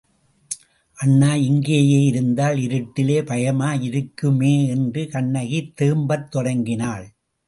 அண்ணா, இங்கேயே இருந்தால் இருட்டிலே பயமாய் இருக்குமே என்று கண்ணகி தேம்பத் தொடங்கினாள்.